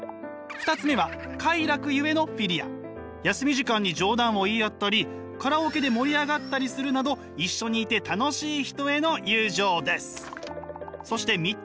休み時間に冗談を言い合ったりカラオケで盛り上がったりするなど一緒にいて楽しい人への友情です。